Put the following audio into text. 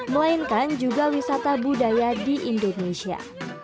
melainkan juga wisata budaya di indonesia